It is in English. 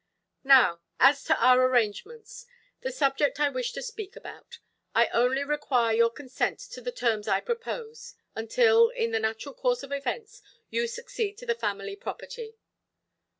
"Now, as to our arrangements—the subject I wished to speak about. I only require your consent to the terms I propose, until, in the natural course of events, you succeed to the family property".